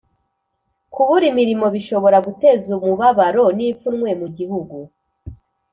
kubura imirimo bishobora guteza umubabaro n'ipfunwe mu gihugu